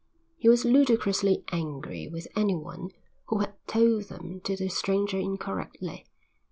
He was ludicrously angry with anyone who had told them to the stranger incorrectly.